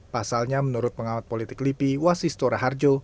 pasalnya menurut pengawat politik lipi wasistora harjo